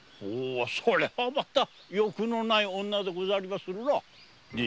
それはまた欲のない女でございますな。